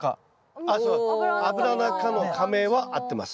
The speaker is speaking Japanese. アブラナ科の科名は合ってます。